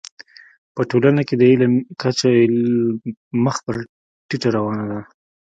په ټولنه کي د علم کچه مخ پر ټيټه روانه ده.